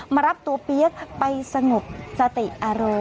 มารับตัวเปี๊ยกไปสงบสติอารมณ์